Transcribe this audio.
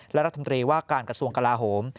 และรัฐมนตรีว่าการกระทรวงกลาโหม